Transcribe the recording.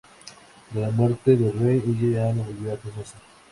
Tras la muerte de Reid, ella no volvió a casarse.